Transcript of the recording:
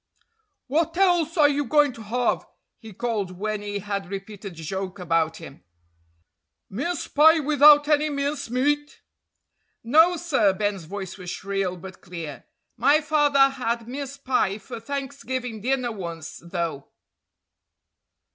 "What else are you going to have?" he called when he had repeated the joke about him. "Mince pie without any mince meat?" "No, sir!" Ben's voice was shrill, but clear. "My father had mince pie for Thanksgiving dinner once, though."